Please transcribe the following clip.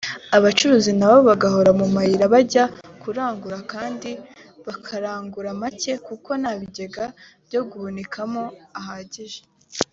abayacuruza nabo bagahora mu mayira bajya kurangura kandi bakarangura make kuko nta bigega byo guhunikamo ahagije